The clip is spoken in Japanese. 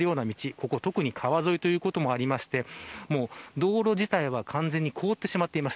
ここは特に川沿いということもあってもう道路自体は完全に凍ってしまっています。